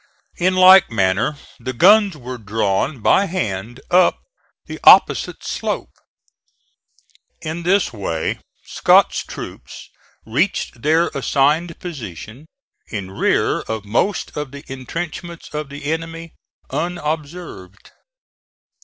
In like manner the guns were drawn by hand up the opposite slopes. In this way Scott's troops reached their assigned position in rear of most of the intrenchments of the enemy, unobserved.